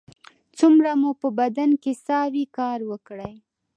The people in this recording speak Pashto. تر څو مو په بدن کې ساه وي کار وکړئ